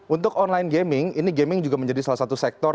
untuk online gaming ini gaming juga menjadi salah satu sektor